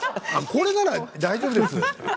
これなら大丈夫です。